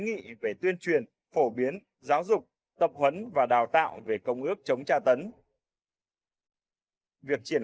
nghị về tuyên truyền phổ biến giáo dục tập huấn và đào tạo về công ước chống tra tấn việc triển